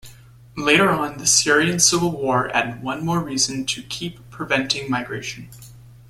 Later on the Syrian Civil War added one more reason to keep preventing migration.